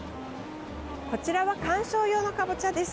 こちらは観賞用のカボチャです。